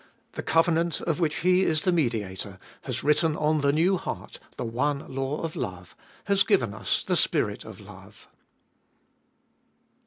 The covenant, of which He is the Mediator, has written on the new heart the one law of love, has given us the spirit of love.